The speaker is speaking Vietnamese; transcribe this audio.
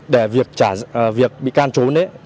để việc bị can trốn